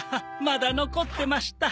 まだ残ってました。